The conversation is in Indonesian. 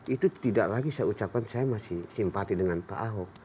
itu tidak lagi saya ucapkan saya masih simpati dengan pak ahok